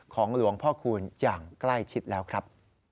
ของหลวงพ่อคูณอย่างใกล้ชิดแล้วครับ